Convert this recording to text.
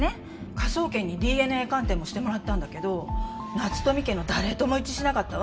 科捜研にＤＮＡ鑑定もしてもらったんだけど夏富家の誰とも一致しなかったわ。